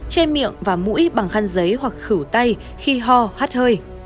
che miệng và mũi bằng khăn giấy hoặc khử tay khi ho hát hơi